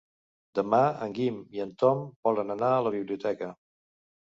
Demà en Guim i en Tom volen anar a la biblioteca.